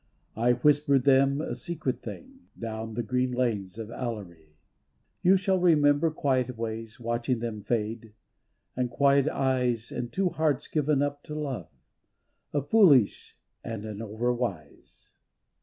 I whispered them a secret thing Down the green lanes of Allary. You shall remember quiet ways Watching them fade, and quiet eyes, And two hearts given up to love, A foolish and an overwise.